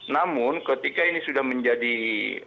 namun ketika ini sudah menjadi regulasi yang sudah